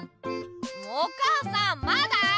お母さんまだ？